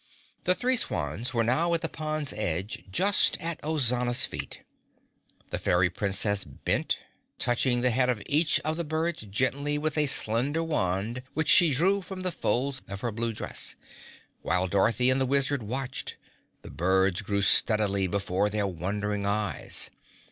The three swans were now at the pond's edge, just at Ozana's feet. The Fairy Princess bent, touching the head of each of the birds gently with a slender wand which she drew from the folds of her blue dress. While Dorothy and the Wizard watched, the birds grew steadily before their wondering eyes.